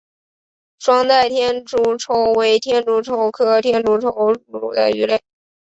双带天竺鲷为天竺鲷科天竺鲷属的鱼类。